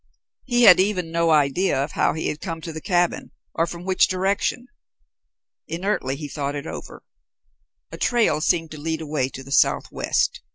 He had even no idea of how he had come to the cabin, or from which direction. Inertly he thought over it. A trail seemed to lead away to the southwest.